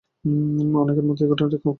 অনেকের মতে এই ঘটনাটি কল্পিত।